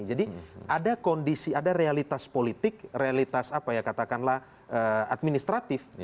jadi ada kondisi ada realitas politik realitas apa ya katakanlah administratif